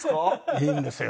いいんですよ。